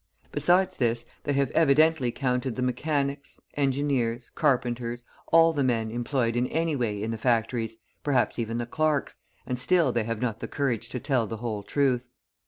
Besides this, they have evidently counted the mechanics, engineers, carpenters, all the men employed in any way in the factories, perhaps even the clerks, and still they have not the courage to tell the whole truth.